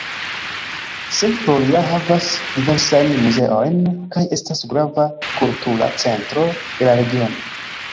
St. Florian havas diversajn muzeojn kaj estas grava kultura centro de la regiono.